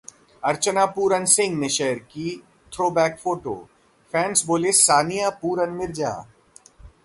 अर्चना पूरन सिंह ने शेयर की throwback photo, fans बोल सानिया पूरन मिर्जा